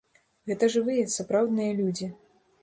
Гэта жывыя, сапраўдныя людзі.